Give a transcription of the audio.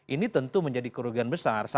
ini tentu menjadi kerugian besar